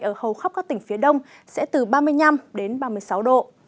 ở hầu khắp các tỉnh phía đông sẽ từ ba mươi năm đến ba mươi sáu độ